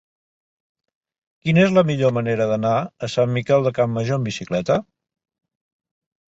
Quina és la millor manera d'anar a Sant Miquel de Campmajor amb bicicleta?